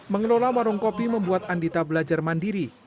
mengelola warung kopi membuat andita belajar mandiri